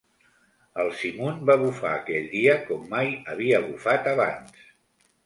El simun va bufar aquell dia com mai havia bufat abans.